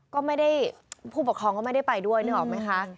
ก็ไม่ได้ผู้ปกครองก็ไม่ได้ไปด้วยนึกออกไหมคะ